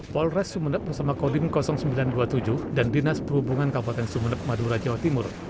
polres sumeneb bersama kodim sembilan ratus dua puluh tujuh dan dinas perhubungan kabupaten sumeneb madura jawa timur